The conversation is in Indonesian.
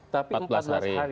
tapi empat belas hari